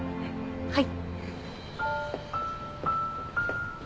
はい。